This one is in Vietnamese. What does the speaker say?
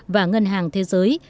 và ngân hàng thế giới